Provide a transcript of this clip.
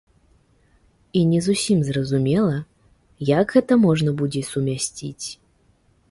І не зусім зразумела, як гэта можна будзе сумясціць.